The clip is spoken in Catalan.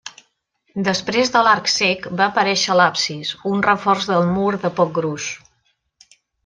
Després de l'arc cec va aparéixer l'absis, un reforç del mur de poc gruix.